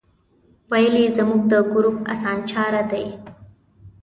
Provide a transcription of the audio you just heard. ویل یې زموږ د ګروپ اسانچاری دی.